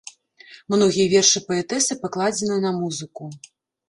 Многія вершы паэтэсы пакладзены на музыку.